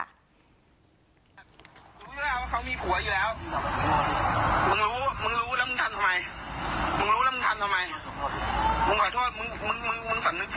แล้วก็เมื่อเช้ากูก็เห็นมึงกี่รอบแล้ว